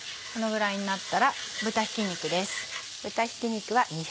このぐらいになったら豚ひき肉です。